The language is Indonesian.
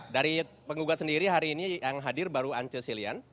dari penggugat sendiri hari ini yang hadir baru ance silian